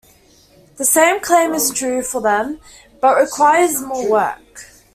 The same claim is true for them, but requires more work.